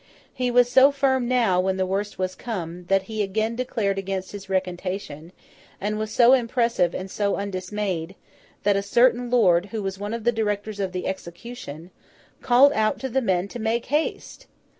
He was so firm now when the worst was come, that he again declared against his recantation, and was so impressive and so undismayed, that a certain lord, who was one of the directors of the execution, called out to the men to make haste!